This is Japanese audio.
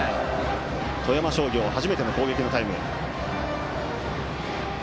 富山商業、初めての攻撃のタイム。